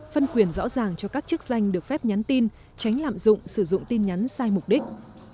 phân quyền rõ ràng cho các chức danh được phép nhắn tin tránh lạm dụng sử dụng tin nhắn sai mục đích